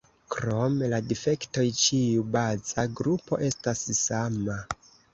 Krom la difektoj, ĉiu baza grupo estas sama.